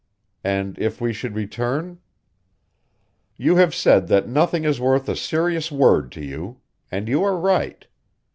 And if we should return? "You have said that nothing is worth a serious word to you; and you are right.